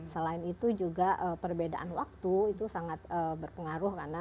selain itu juga perbedaan waktu itu sangat berpengaruh karena